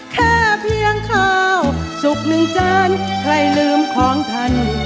แค่เพียงข้าวสุกหนึ่งจานใครลืมของท่าน